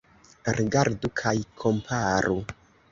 Rigardu kaj komparu.